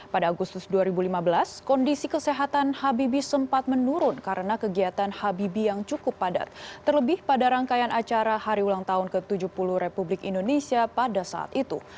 pada agustus dua ribu lima belas kondisi kesehatan habibie sempat menurun karena kegiatan habibie yang cukup padat terlebih pada rangkaian acara hari ulang tahun ke tujuh puluh republik indonesia pada saat itu